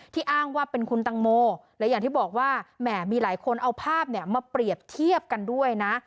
อ้างว่าเป็นคุณตังโมและอย่างที่บอกว่าแหมมีหลายคนเอาภาพมาเปรียบเทียบกันด้วยนะ